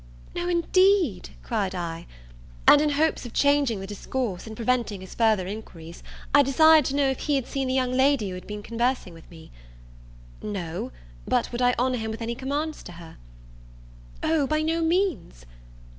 "No, indeed!" cried I; and, in hopes of changing the discourse, and preventing his further inquiries, I desired to know if he had seen the young lady who had been conversing with me? No; but would I honour him with any commands to her? "O, by no means!"